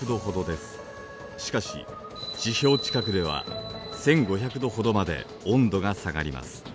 しかし地表近くでは１，５００度ほどまで温度が下がります。